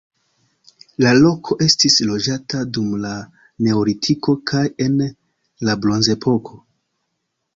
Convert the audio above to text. La loko estis loĝata dum la neolitiko kaj en la bronzepoko.